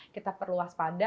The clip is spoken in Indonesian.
kita perluas pada